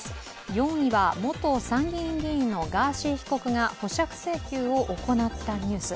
４位は元参議院議員のガーシー被告が保釈請求を行ったニュース。